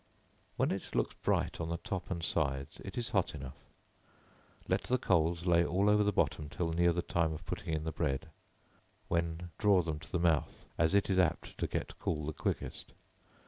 When it looks bright on the top and sides, it is hot enough; let the coals lay all over the bottom till near the time of putting in the bread, when draw them to the mouth, as it is apt to get cool the quickest.